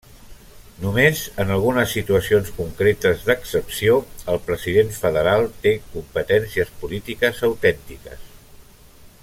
Només en algunes situacions concretes d'excepció el President Federal té competències polítiques autèntiques.